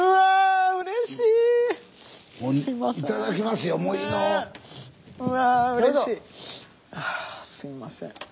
すいません。